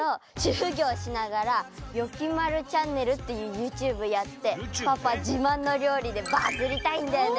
ふぎょうしながら「よきまるチャンネル」っていうユーチューブやってパパじまんのりょうりでバズりたいんだよね！